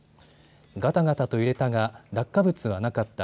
ガタガタと揺れたが落下物はなかった。